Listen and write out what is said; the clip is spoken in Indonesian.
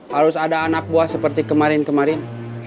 harus ada anak buah seperti kemarin kemarin